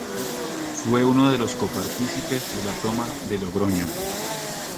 Fue uno de los co-partícipes de la toma de Logroño.